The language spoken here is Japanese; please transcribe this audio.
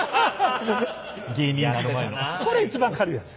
これ一番軽いやつです。